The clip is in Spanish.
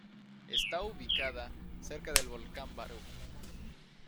Está ubicada cerca del volcán Barú.